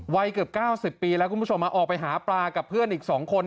วัยเกือบ๙๐ปีแล้วคุณผู้ชมออกไปหาปลากับเพื่อนอีก๒คน